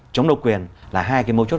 chống độc quyền là hai cái mô chốt